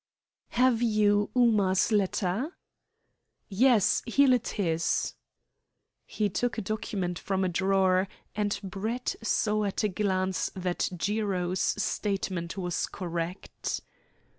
"Have you Ooma's letter?" "Yes; hele it is." He took a document from a drawer, and Brett saw at a glance that Jiro's statement was correct.